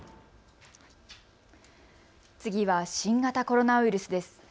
次は新型コロナウイルスです。